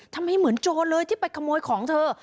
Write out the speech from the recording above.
ทำไมเหมือนโจรเลยที่ไปขโมยของเธอ